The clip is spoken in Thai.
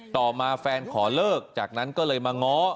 ต่อมาแฟนขอเลิกจากนั้นก็เลยมาง้อ